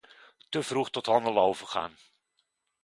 Te vroeg tot handelen overgaan.